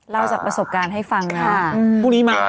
ลองจากประสบการณ์ให้ฟังฟรุ่นี้มา